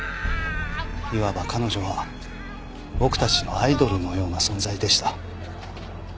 言わば彼女は僕たちのアイドルのような存在でした。